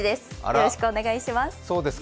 よろしくお願いします。